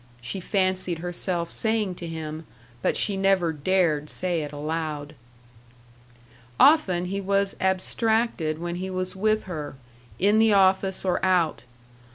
she fancied herself saying to him, but she never dared say it aloud. Often he was abstracted when he was with her, in the office or out.